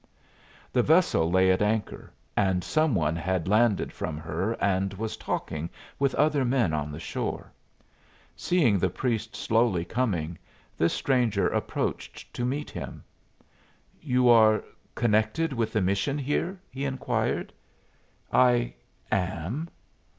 The vessel lay at anchor, and some one had landed from her and was talking with other men on the shore. Seeing the priest slowly coming, this stranger approached to meet him. "You are connected with the mission here?" he inquired. "I am."